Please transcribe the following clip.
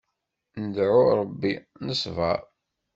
Nḍuɛ Ṛebbi, nesbeṛ.